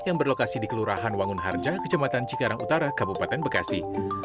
yang berlokasi di kelurahan wangun harja kecamatan cikarang utara kabupaten bekasi